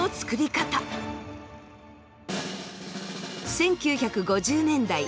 １９５０年代